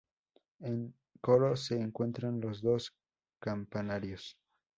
En coro se encuentran los dos campanarios.